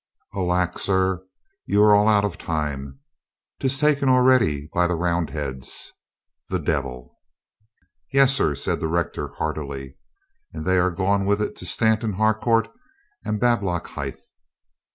"Alack, sir, you are all out of time. 'Tis taken al ready by the Roundheads." "The devil!" "Yes, sir," said the rector heartily. "And they are gone with it to Stanton Harcourt and Bablock hithe."